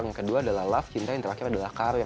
yang kedua adalah love cinta yang terakhir adalah karya